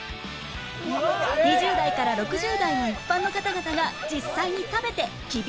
２０代から６０代の一般の方々が実際に食べて厳しく審査